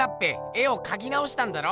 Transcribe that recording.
絵をかきなおしたんだろ？